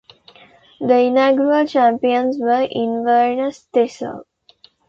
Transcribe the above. The inaugural champions were Inverness Thistle.